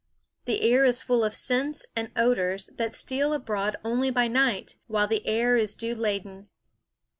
The air is full of scents and odors that steal abroad only by night, while the air is dew laden.